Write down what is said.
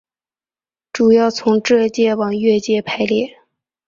主要从浙界往粤界排列。